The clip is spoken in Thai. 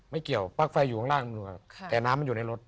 ไม่เกี่ยวปลั๊กไฟอยู่ข้างล่างแต่น้ำมันอยู่ในรถ